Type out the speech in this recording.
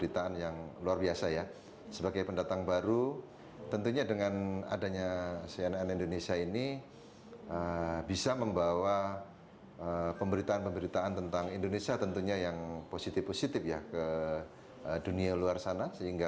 tidak membuat penonton ingin menonton anda